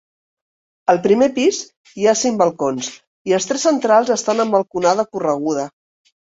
Al primer pis hi ha cinc balcons, i els tres centrals estan en balconada correguda.